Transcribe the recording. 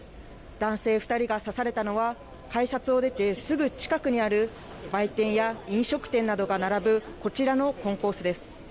男性２人が刺されたのは、改札を出て、すぐ近くにある、売店や飲食店などが並ぶこちらのコンコースです。